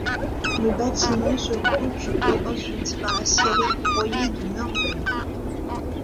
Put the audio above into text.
Les bâtiments seront occupés ensuite par la scierie Royer de Mervent.